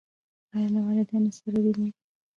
ایا له والدینو سره وینئ؟